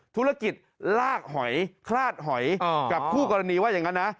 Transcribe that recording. ธุรกิจลากหอยคลาดหอยกับคู่กรณีว่าอย่างนั้นนะ